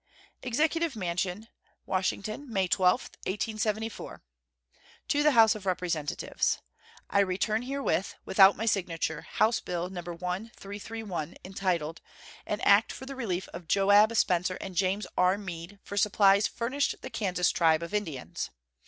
EXECUTIVE MANSION, Washington, May 12, 1874. To the House of Representatives: I return herewith without my signature House bill No. 1331, entitled "An act for the relief of Joab Spencer and James R. Mead for supplies furnished the Kansas tribe of Indians."